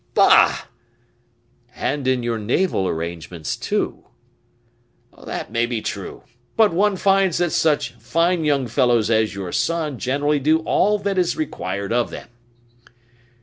"Bah!" "And in your naval arrangements, too." "That may be true. But one finds that such fine young fellows as your son generally do all that is required of them."